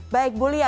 baik bu lia